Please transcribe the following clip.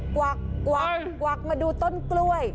กวักกวักมาดูต้นกล้วย